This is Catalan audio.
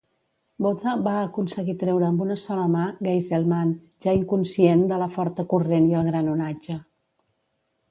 Botha va aconseguir treure amb una sola mà Geiselman, ja inconscient, de la forta corrent i el gran onatge.